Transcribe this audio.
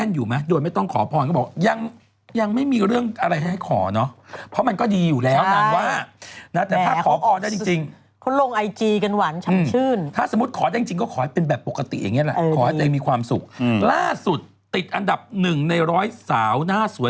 คุณมั่นใจเหรอฮะว่าครีมที่กุญซื้ออ่ะมันถูกต้องแล้ว